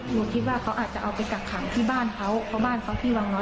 หนูคิดว่าเขาอาจจะเอาไปกักขังที่บ้านเขาเพราะบ้านเขาที่วังน้อย